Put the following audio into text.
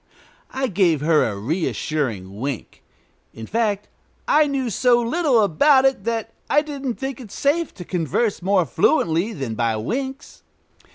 I gave her a reassuring wink. In fact, I knew so little about it that I didn't think it safe to converse more fluently than by winks.